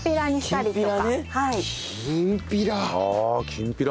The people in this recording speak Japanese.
きんぴら！